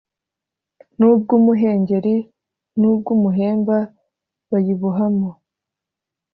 n ubw umuhengeri n ubw umuhemba bayibohamo